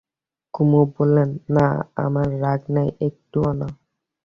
কুমু বললে, না, আমার রাগ নেই, একটুও না।